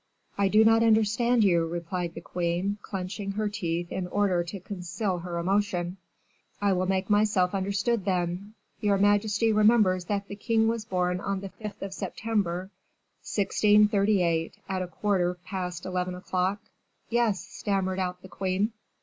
"I do not understand you," replied the queen, clenching her teeth in order to conceal her emotion. "I will make myself understood, then. Your majesty remembers that the king was born on the 5th of September, 1638, at a quarter past eleven o'clock." "Yes," stammered out the queen.